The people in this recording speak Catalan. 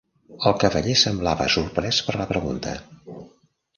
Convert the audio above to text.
El cavaller semblava sorprès per la pregunta.